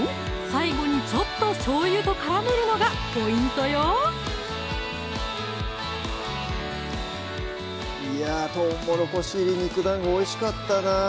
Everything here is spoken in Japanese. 最後にちょっとしょうゆと絡めるのがポイントよいや「とうもろこし入り肉団子」おいしかったなぁ